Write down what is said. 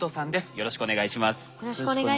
よろしくお願いします。